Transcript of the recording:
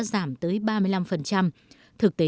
giảm tới ba mươi năm thực tế